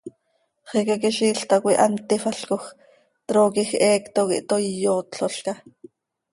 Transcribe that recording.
Xicaquiziil tacoi hant tífalcoj, trooquij heecto quih toii iyootlolca.